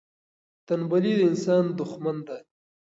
تنبلي د انسان دښمن ده.